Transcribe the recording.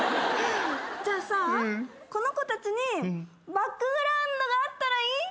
じゃあさこの子たちにバックグラウンドがあったらいい？